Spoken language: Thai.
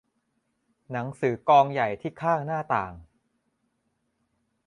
หนังสือกองใหญ่ที่ข้างหน้าต่าง